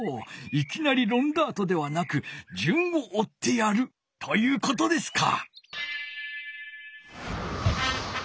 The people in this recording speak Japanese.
いきなりロンダートではなくじゅんをおってやるということですか！